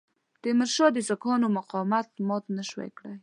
تیمورشاه د سیکهانو مقاومت مات نه کړای شي.